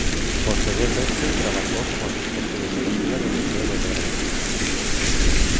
Posteriormente trabajó como asistente de zoología en el museo de Bergen.